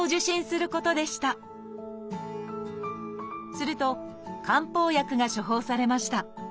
すると漢方薬が処方されました。